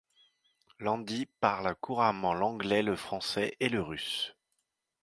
Landi parle couramment l’anglais, le français et le russe.